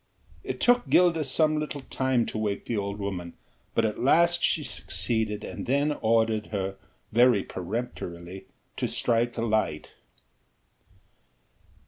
It took Gilda some little time to wake the old woman, but at last she succeeded, and then ordered her, very peremptorily, to strike a light.